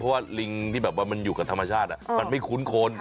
เพราะว่าลิงที่แบบว่ามันอยู่กับธรรมชาติมันไม่คุ้นคน